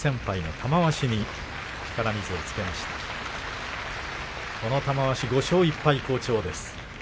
玉鷲は５勝１敗、好調です。